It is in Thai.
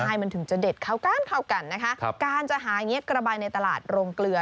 ใช่มันถึงจะเด็ดเข้ากันเข้ากันนะคะการจะหาเง็กระบายในตลาดโรงเกลือ